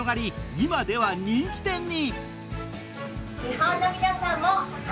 今では人気店に。